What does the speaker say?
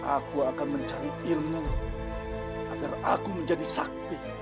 aku akan mencari ilmu agar aku menjadi sakti